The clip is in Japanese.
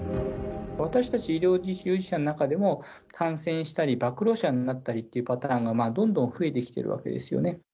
私たち医療従事者の中でも、感染したり、暴露者になったりっていうパターンがどんどん増えてきているわけですよね。